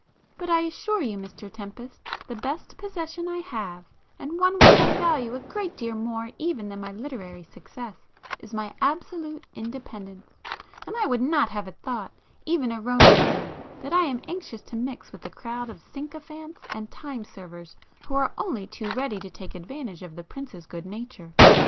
But I assure you, Mr Tempest, the best possession I have, and one which I value a great deal more even than my literary success, is my absolute independence, and I would not have it thought, even erroneously, that I am anxious to mix with the crowd of sycophants and time servers who are only too ready to take advantage of the Prince's good nature."